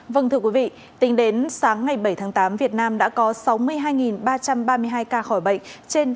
vâng thưa quý vị tính đến sáng ngày bảy tháng tám việt nam đã có sáu mươi hai ba trăm ba mươi hai ca khỏi bệnh trên